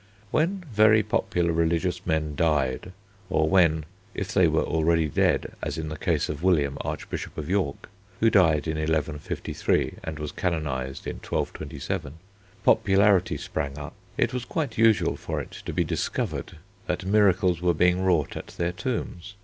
When very popular religious men died, or when, if they were already dead as in the case of William, Archbishop of York (who died in 1153 and was canonised in 1227), popularity sprang up, it was quite usual for it to be discovered that miracles were being wrought at their tombs.